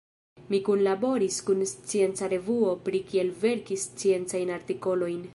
Ni kunlaboris kun scienca revuo pri kiel verki sciencajn artikolojn.